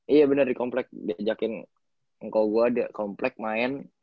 iya benar di komplek diajakin engkau gue komplek main